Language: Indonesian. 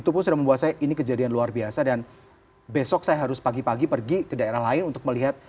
tapi beliau tidak berkenan untuk